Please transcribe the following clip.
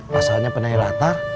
pasalnya penari rata